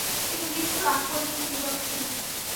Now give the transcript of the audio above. তিনি মৃত্যুর আগ পর্যন্ত নীরব ছিলেন।